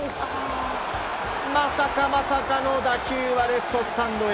まさかまさかの打球はレフトスタンドへ。